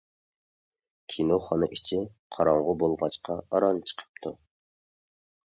كىنوخانا ئىچى قاراڭغۇ بولغاچقا ئاران چىقىپتۇ.